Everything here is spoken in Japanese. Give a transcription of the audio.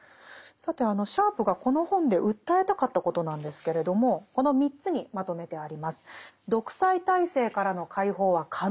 さてシャープがこの本で訴えたかったことなんですけれどもこの３つにまとめてあります。